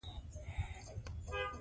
ښه درمل مریض زر ښه کوی.